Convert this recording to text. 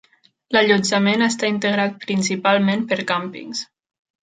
L'allotjament està integrat principalment per càmpings.